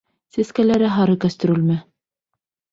Сәскәле һары кәстрүлме?